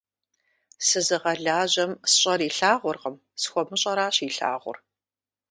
Сызыгъэлажьэм сщӏар илъагъуркъым, схуэмыщӏаращ илъагъур.